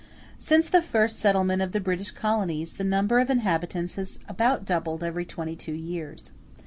]] Since the first settlement of the British colonies, the number of inhabitants has about doubled every twenty two years.